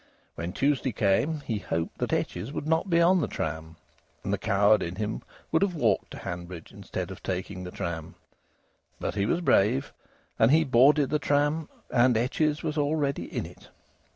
When Tuesday came, he hoped that Etches would not be on the tram, and the coward in him would have walked to Hanbridge instead of taking the tram. But he was brave. And he boarded the tram, and Etches was already in it.